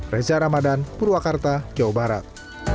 reza ramadan purwakarta jawa barat